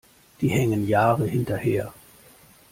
Die hängen Jahre hinterher.